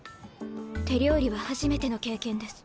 手料理は初めての経験です。